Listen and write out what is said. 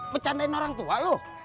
bercandain orang tua lo